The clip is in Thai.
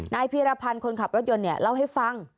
นายภีรพันธ์คนขับรถยนต์เล่าให้ฟัง